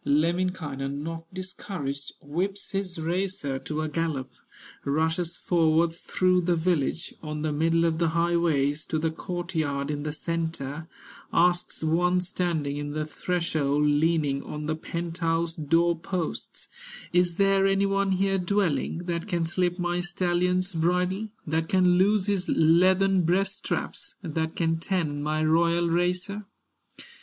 Lemminkainen, not discouraged, Whips his racer to a gallop, Rushes forward through the village, On the middle of the highways, To the court yard in the centre, Asks one standing in the threshold, Leaning on the penthouse door posts: "Is there any one here dwelling That can slip my stallion's bridle, That can loose his leathern breast straps, That can tend my royal racer?"